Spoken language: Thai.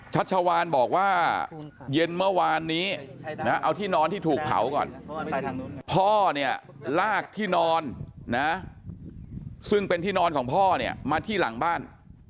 ชัชวานบอกว่าเย็นเมื่อวานนี้นะเอาที่นอนที่ถูกเผาก่อนพ่อเนี่ยลากที่นอนนะซึ่งเป็นที่นอนของพ่อเนี่ยมาที่หลังบ้าน